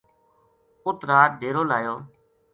اُت رات ڈیرو لویو